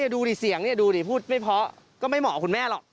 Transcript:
ดูดิเสียงนี่ดูดิพูดไม่เพราะก็ไม่เหมาะกับคุณแม่หรอก